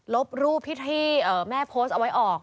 บรูปที่แม่โพสต์เอาไว้ออก